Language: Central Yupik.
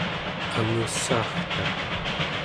angussaagta